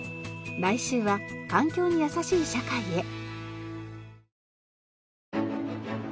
来週は環境にやさしい社会へ。